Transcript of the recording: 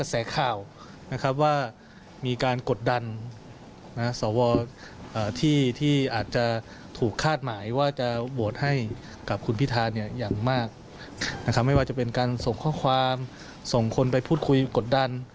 ส่งข้อความส่งคนไปพูดคุยกดดัน